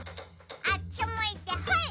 あっちむいてほい！